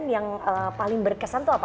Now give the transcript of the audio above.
yang paling berkesan itu apa